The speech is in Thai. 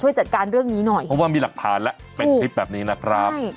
จัดการเรื่องนี้หน่อยเพราะว่ามีหลักฐานแล้วเป็นคลิปแบบนี้นะครับ